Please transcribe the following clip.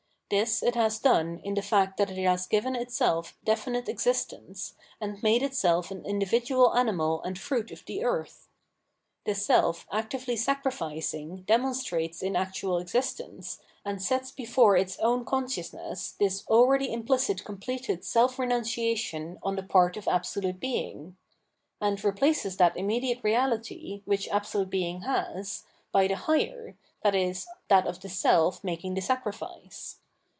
This it has done in the fact that it has given itself definite existence, and made itself an individual animal and fruit of the earth. The self actively sacrificing demonstrates in actual existence, and sets before its own conscious ness, this already implicitly completed self renunciation on the part of absolute Being ; and replaces that im mediate reality, which absolute Being has, by the higher, viz. that of the self making the sacrifice.